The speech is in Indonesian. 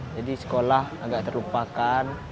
jadi sekolah agak terlupakan